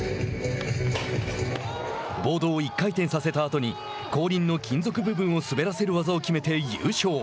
ボードを１回させたあとに後輪の金属部分を滑らせる技を決めて優勝。